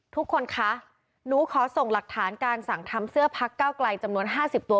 ทุกคนคะหนูขอส่งหลักฐานการสั่งทำเสื้อพักเก้าไกลจำนวน๕๐ตัว